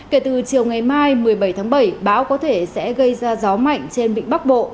kể từ chiều ngày mai một mươi bảy tháng bảy bão có thể sẽ gây ra gió mạnh trên vịnh bắc bộ